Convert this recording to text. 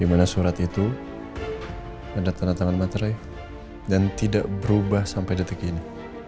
di mana surat itu ada tanda tangan materai dan tidak berubah sampai detik ini